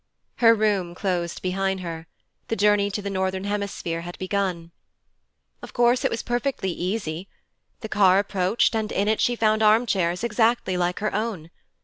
Her room closed behind her: the journey to the northern hemisphere had begun. Of course it was perfectly easy. The car approached and in it she found armchairs exactly like her own.